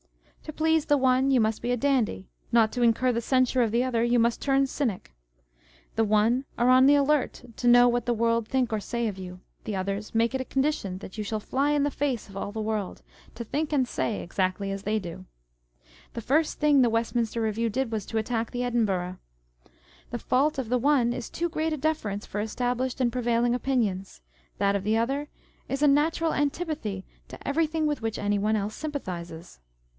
To please the one, you must be a dandy : not to incur the censure of the other, you must turn cynic. The one are on the alert to know what the world think or say of you : the others make it a condition that you shall fly in the face of all the world, to think and say exactly as they do. The first thing the Westminster Review did was to attack the Edinburgh. The fault of the one is too great a deference for established and prevailing opinions : that of the other is a natural antipathy to every On the Jealousy and the Spleen of Party. 537 thing with which any one else sympathises.